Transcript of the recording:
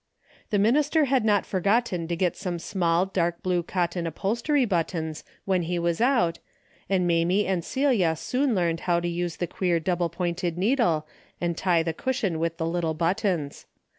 The minister had not forgotten to get some small dark blue cotton upholstery buttons when he was out, and Mamie and Celia soon learned how to use the queer double pointed needle and tie the cusliion with the little buttons.